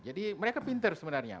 jadi mereka pinter sebenarnya